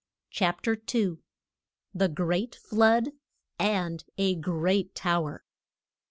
CHAPTER II. THE GREAT FLOOD; AND A GREAT TOWER.